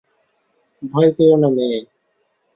ভয় পেও না, মেয়ে।